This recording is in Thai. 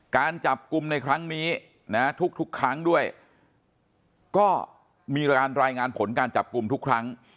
การจับกลุ่มในครั้งนี้นะทุกครั้งด้วยก็มีการรายงานผลการจับกลุ่มทุกครั้ง